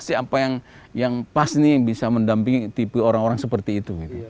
siapa yang yang pas nih bisa mendampingi tipu orang orang seperti itu ada kejadian yang masih